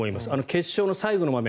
決勝の最後の場面